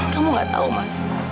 kamu gak tau mas